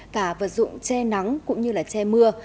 cả vật dụng che nắng cũng như là che mưa